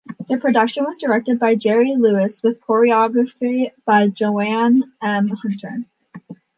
The production was directed by Jerry Lewis, with choreography by Joann M. Hunter.